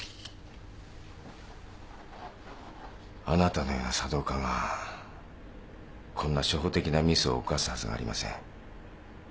あなたのような茶道家がこんな初歩的なミスを犯すはずがありません。